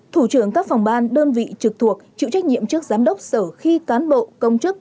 thủ trưởng các phòng ban đơn vị trực thuộc chịu trách nhiệm trước giám đốc sở khi cán bộ công chức